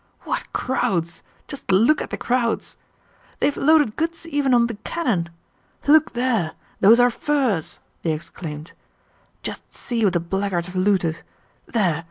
"What crowds! Just look at the crowds!... They've loaded goods even on the cannon! Look there, those are furs!" they exclaimed. "Just see what the blackguards have looted.... There!